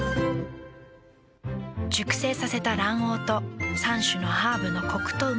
熟成させた卵黄と３種のハーブのコクとうま味。